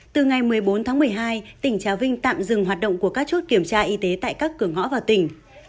từ ngày một mươi bốn tháng một mươi hai tỉnh trà vinh tạm dừng hoạt động của các chốt kiểm tra y tế tại các cửa ngõ vào tỉnh